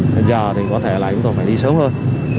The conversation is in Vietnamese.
nên giờ thì có thể là chúng tôi phải đi sớm hơn